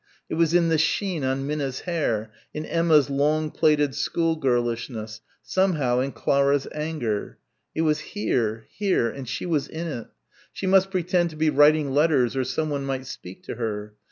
It was in the sheen on Minna's hair, in Emma's long plaited schoolgirlishness, somehow in Clara's anger. It was here, here, and she was in it.... She must pretend to be writing letters or someone might speak to her.